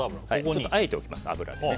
ちょっとあえておきます、油で。